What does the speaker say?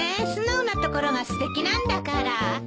素直なところがすてきなんだから。